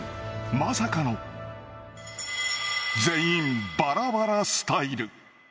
まさかの、全員ばらばらスタイル。